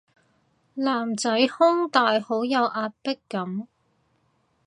男仔胸大好有壓迫感